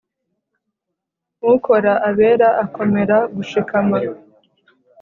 Ukora abera akomera gushikama